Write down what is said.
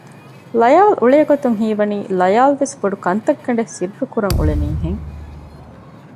ލަޔާލް އުޅޭގޮތުން ހީވަނީ ލަޔާލުވެސް ބޮޑުކަންތައް ގަނޑެއް ސިއްރުކުރަން އުޅެނީ ހެން